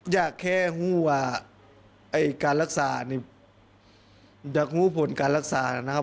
อยากแค่รู้ว่าการรักษาอยากรู้ผลการรักษานะครับ